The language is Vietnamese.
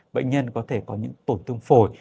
bệnh nhân có thể có những tổn thương phổi